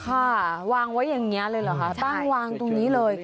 ค่ะวางไว้อย่างนี้เลยเหรอคะตั้งวางตรงนี้เลย